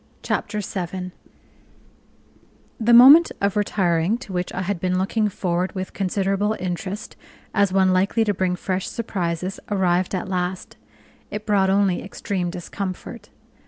Chapter 7 The moment of retiring, to which I had been looking forward with considerable interest as one likely to bring fresh surprises, arrived at last: it brought only extreme discomfort.